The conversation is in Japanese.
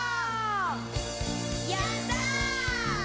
「やった」